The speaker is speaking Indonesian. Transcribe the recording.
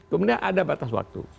kemudian ada batas waktu